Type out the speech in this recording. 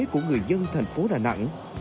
của người dân thành phố đà nẵng